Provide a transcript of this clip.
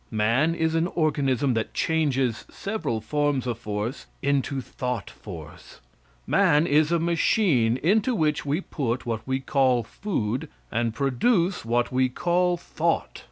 Man is an organism that changes several forms of force into thought force. Man is a machine into which we put what we call food, and produce what we call thought.